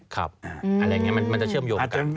อะไรอย่างนี้มันจะเชื่อมโยงกัน